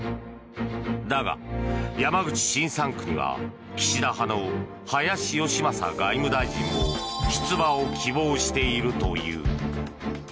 だが、山口新３区には岸田派の林芳正外務大臣も出馬を希望しているという。